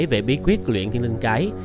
về bí quyết luyện thiên linh cái